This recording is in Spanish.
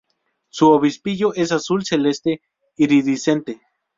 Su obispillo es azul celeste iridiscente.